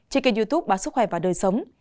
trên kênh youtube bác sức khỏe và đời sống